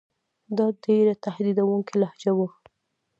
دا ډېره تهدیدوونکې لهجه وه.